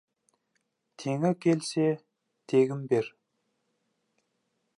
Теңі келсе, тегін бер.